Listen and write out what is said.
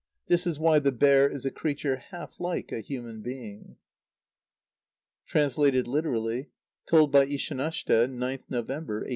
This is why the bear is a creature half like a human being. (Translated literally. Told by Ishanashte, 9th November, 1886.)